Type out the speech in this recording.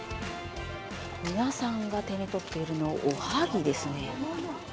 皆さんが手にとっているのは、おはぎですね。